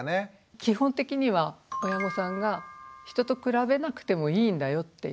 基本的には親御さんが人と比べなくてもいいんだよっていう。